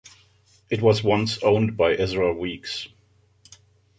It was once owned by Ezra Weeks.